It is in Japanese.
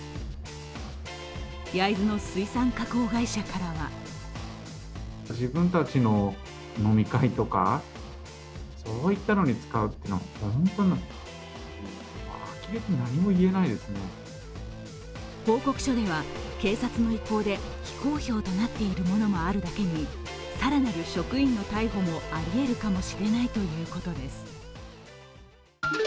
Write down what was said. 焼津の水産加工会社からは報告書では警察の意向で非公表となっているものもあるだけに更なる職員の逮捕もありえるかもしれないということです。